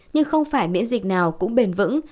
nhưng không phải miễn dịch nào cũng bền vững